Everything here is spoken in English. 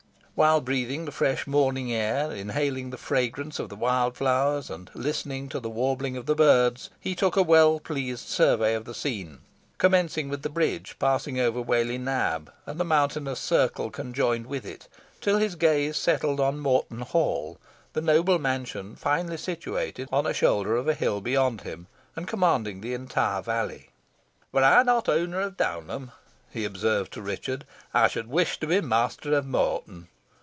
While breathing the fresh morning air, inhaling the fragrance of the wild flowers, and listening to the warbling of the birds, he took a well pleased survey of the scene, commencing with the bridge, passing over Whalley Nab and the mountainous circle conjoined with it, till his gaze settled on Morton Hall, a noble mansion finely situated on a shoulder of the hill beyond him, and commanding the entire valley. "Were I not owner of Downham," he observed to Richard, "I should wish to be master of Morton."